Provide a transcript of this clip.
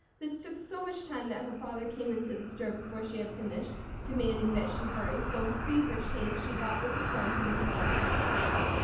This took so much time that her father came into the store before she had finished, demanding that she hurry, so in feverish haste she bought what was wanted and followed to the buggy.